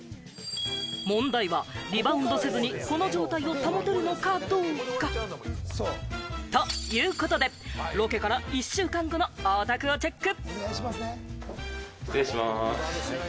問題は、リバウンドせずにこの状態を保てるのかどうか？ということで、ロケから１週間後のお宅をチェック。